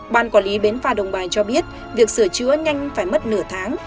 ban quản lý bến phà đồng bài cho biết việc sửa chữa nhanh phải mất nửa tháng